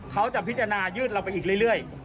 เขาจะพิจารณายืดเราไปอีกเรื่อย